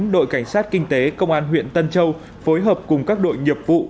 đội cảnh sát kinh tế công an huyện tân châu phối hợp cùng các đội nghiệp vụ